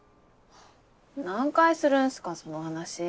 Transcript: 何回するんすかその話。